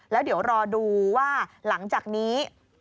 แล้วเดี๋ยวรอดูว่าหลังจากนี้